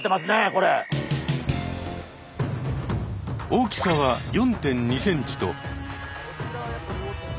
大きさは４．２ｃｍと５．５ｃｍ。